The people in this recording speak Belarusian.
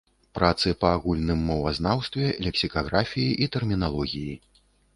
Працы па агульным мовазнаўстве, лексікаграфіі і тэрміналогіі.